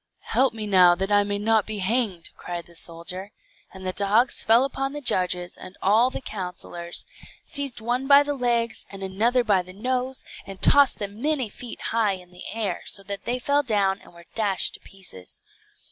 "Help me now, that I may not be hanged," cried the soldier. And the dogs fell upon the judges and all the councillors; seized one by the legs, and another by the nose, and tossed them many feet high in the air, so that they fell down and were dashed to pieces.